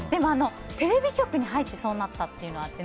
テレビ局に入ってそうなったというのはあって。